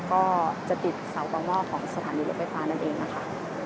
ก็จะติดเสาต่อหม้อของสถานีรถไฟฟ้านั่นเองนะคะ